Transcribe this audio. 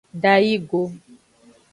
Dayi go.